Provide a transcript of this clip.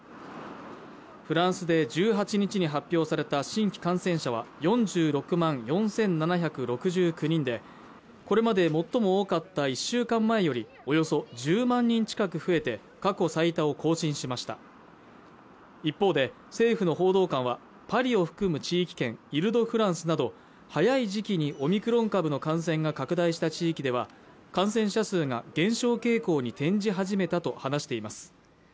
フランスで１８日に発表された新規感染者は４６万４７６９人でこれまで最も多かった１週間前よりおよそ１０万人近く増えて過去最多を更新しました一方で政府の報道官はパリを含む地域圏イル・ド・フランスなど早い時期にオミクロン株の感染が拡大した地域では感染者数が減少傾向に転じ始めたと話しています